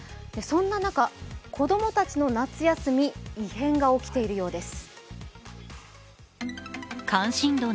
そんな中、子供たちの夏休み異変が起きているようです。